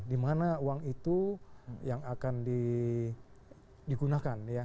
dimana uang itu yang akan digunakan ya